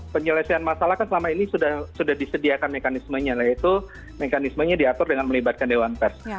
penyelesaian masalah kan selama ini sudah disediakan mekanismenya yaitu mekanismenya diatur dengan melibatkan dewan pers